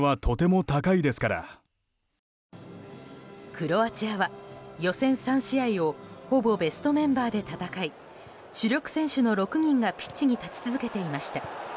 クロアチアは予選３試合をほぼベストメンバーで戦い主力選手の６人がピッチに立ち続けていました。